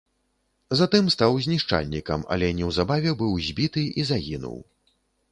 Затым стаў знішчальнікам, але неўзабаве быў збіты і загінуў.